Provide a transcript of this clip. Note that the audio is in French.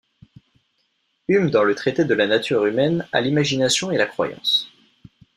Hume dans le Traité de la nature humaine à l'imagination et la croyance.